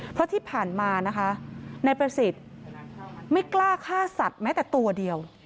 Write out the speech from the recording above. เพราะที่ผ่านมานะคะนายประสิทธิ์ไม่กล้าฆ่าสัตว์แม้แต่ตัวเดียว